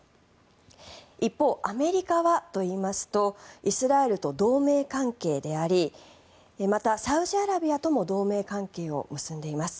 一方、アメリカはといいますとイスラエルと同盟関係でありまた、サウジアラビアとも同盟関係を結んでいます。